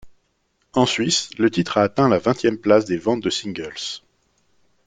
En Suisse, le titre a atteint la vingtième place des ventes de singles.